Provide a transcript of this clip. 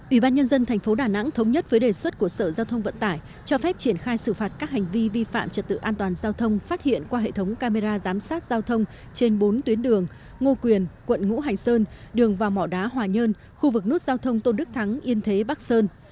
ủy ban nhân dân thành phố đà nẵng thống nhất với đề xuất của sở giao thông vận tải cho phép triển khai xử phạt các hành vi vi phạm trật tự an toàn giao thông phát hiện qua hệ thống camera giám sát giao thông trên bốn tuyến đường ngô quyền quận ngũ hành sơn đường vào mỏ đá hòa nhơn khu vực nút giao thông tôn đức thắng yên thế bắc sơn